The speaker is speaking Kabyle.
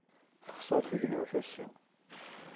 Texṣer tegnewt ass-a.